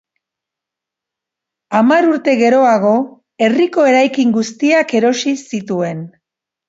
Hamar urte geroago, herriko eraikin guztiak erosi zituen.